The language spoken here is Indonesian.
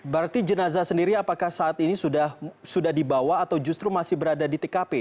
berarti jenazah sendiri apakah saat ini sudah dibawa atau justru masih berada di tkp